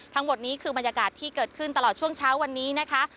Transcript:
ทั้งหมดนี้คือบรรยากาศที่เกิดขึ้นตลอดช่วงเช้าวันนี้นะคะ